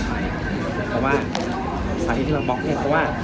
คือมีต่อวิธีถึงเราบล็อคเนี่ย